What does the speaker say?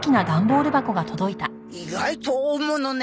意外と大物ね。